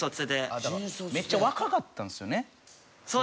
めっちゃ若かったんですよね年が。